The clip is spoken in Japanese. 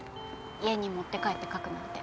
家に持って帰って描くなんて。